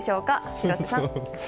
廣瀬さん。